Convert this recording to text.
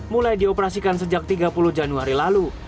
mulai dioperasikan sejak tiga puluh januari lalu